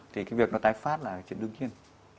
thì cái việc nó tái phát là chuyện đương nhiên